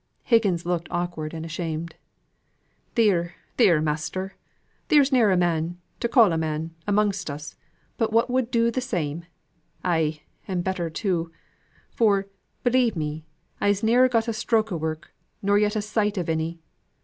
Higgins looked awkward and ashamed. "Theer, theer, master! Theer's ne'er a man, to call a man, amongst us, but what would do th' same; ay, and better too; for, belie' me, Is'e ne'er got a stroke o' work, nor yet a sight of any.